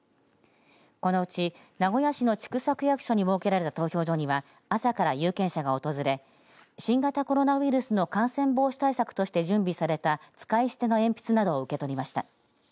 このうち名古屋市の千種区役所に設けられた投票所には朝から有権者が訪れ新型コロナウイルスの感染防止対策として準備された使い捨ての鉛筆などを受け取りました。